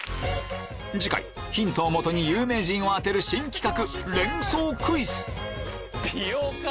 次回ヒントをもとに有名人を当てる新企画連想クイズ美容家？